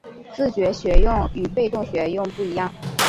自觉学用与被动学用不一样